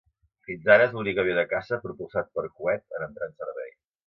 Fins ara és l'únic avió de caça propulsat per coet en entrar en servei.